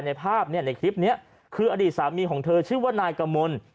ในภาพเนี่ยในคลิปนี้คืออดีตสามีของเธอชื่อว่านายกมล